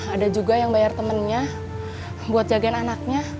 ada juga yang bayar temennya buat jagain anaknya